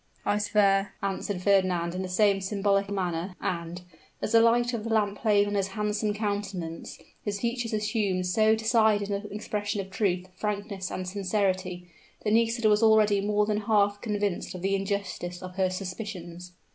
"I swear," answered Fernand in the same symbolic manner; and, as the light of the lamp played on his handsome countenance, his features assumed so decided an expression of truth, frankness, and sincerity, that Nisida was already more than half convinced of the injustice of her suspicions.